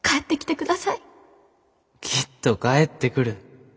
きっと帰ってくる。